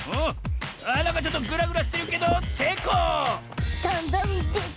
なんかちょっとぐらぐらしてるけどせいこう！